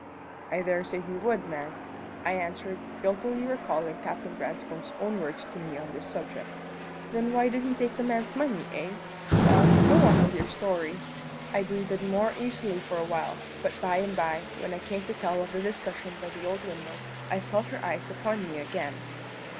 "I dare say he would, ma'am," I answered, guiltily recalling Captain Branscome's own words to me on this subject. "Then why did he take the man's money, eh? Well, go on with your story." I breathed more easily for a while, but by and by, when I came to tell of the discussion by the old windmill, I felt her eyes upon me again.